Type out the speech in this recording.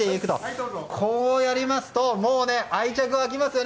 こうやりますともう愛着が湧きますね